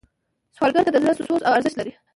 سوالګر ته د زړه سوز ارزښت لري